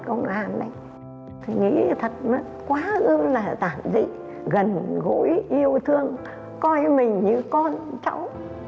nói chung là tạm dị gần gũi yêu thương coi mình như con cháu